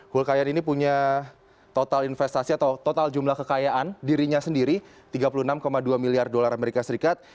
hulkayan ini punya total investasi atau total jumlah kekayaan dirinya sendiri tiga puluh enam dua miliar dolar amerika serikat